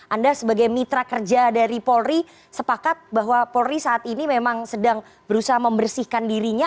anda sebagai mitra kerja dari polri sepakat bahwa polri saat ini memang sedang berusaha membersihkan dirinya